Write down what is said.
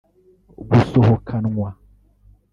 gusohokanwa